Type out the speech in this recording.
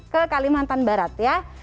ke kalimantan barat ya